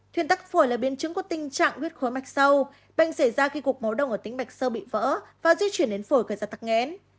thuyền tắc phổi là biến chứng của tình trạng huyết khối mạch sâu bệnh xảy ra khi cục máu đông ở tính mạch sâu bị vỡ và di chuyển đến phổi gây ra tắc nghẽn